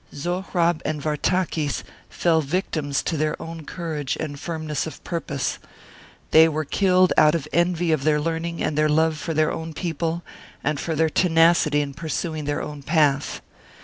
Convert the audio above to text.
Zohrab and Vartakis fell victims to their own courage and firmness of purpose; they were killed out of envy of their learning and their love for their own people, and for their tenacity in. pursuing their own path.